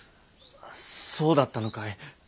そうだったのかい。